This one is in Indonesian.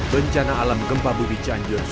bencana alam gempa bumi cianjur jawa barat